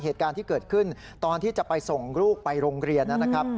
เหตุการณ์ที่เกิดขึ้นตอนที่จะไปส่งลูกไปโรงเรียนนะครับ